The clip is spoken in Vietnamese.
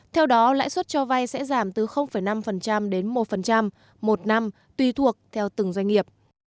theo đó lãi suất cho vay sẽ giảm từ năm đến một một năm tùy thuộc theo từng doanh nghiệp